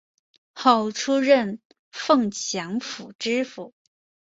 后出任凤翔府知府。